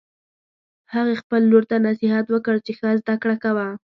هغې خپل لور ته نصیحت وکړ چې ښه زده کړه کوه